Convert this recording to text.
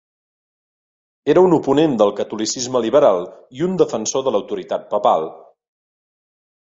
Era un oponent del catolicisme liberal i un defensor de l'autoritat papal.